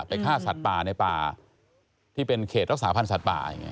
ฆ่าสัตว์ป่าในป่าที่เป็นเขตรักษาพันธ์สัตว์ป่า